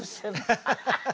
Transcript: ハハハハ！